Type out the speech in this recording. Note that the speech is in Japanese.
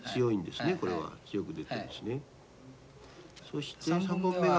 そして３本目は。